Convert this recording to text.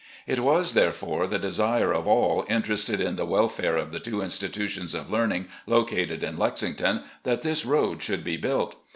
It was, therefore, the desire of aU interested in the welfare of the two institutions of lea rning located in Lexington that this road should be built.